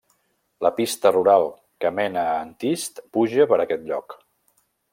La pista rural que mena a Antist puja per aquest lloc.